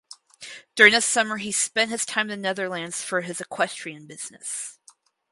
During the summer he spend his time in the Netherlands for his equestrian business.